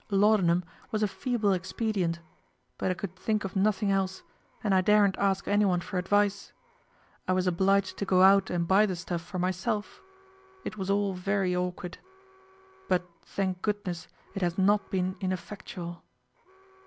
Laudanum was a feeble expedient; but I could think of nothing else, and I daren't ask anyone for advice. I was obliged to go out and buy the stuff for myself. It was all very awkward. But, thank goodness, it has not been ineffectual.